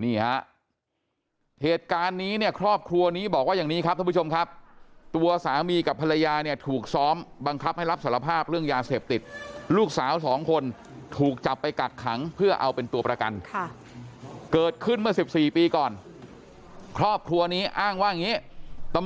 เนี่ยเหตุการณ์นี้เนี่ยครอบครัวนี้บอกว่าอย่างนี้ครับท่านผู้ชมครับตัวสามีกับภรรยาเนี่ยถูกซ้อมบังคับให้รับสารภาพเรื่องยาเสพติดลูกสาว๒คนถูกจับไปกัดขังเพื่อเอาเป็นตัวประกันเกิดขึ้นเมื่อ๑๔ปีก่อนครอบครัวนี้อ้างว่างี้ต